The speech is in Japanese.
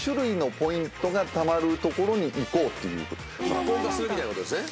一本化するみたいなことですね。